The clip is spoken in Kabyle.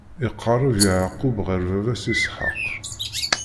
Iqeṛṛeb Yeɛqub ɣer baba-s Isḥaq.